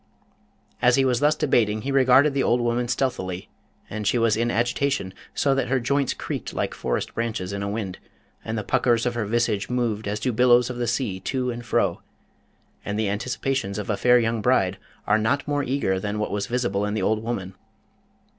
As he was thus debating he regarded the old woman stealthily, and she was in agitation, so that her joints creaked like forest branches in a wind, and the puckers of her visage moved as do billows of the sea to and fro, and the anticipations of a fair young bride are not more eager than what was visible in the old woman.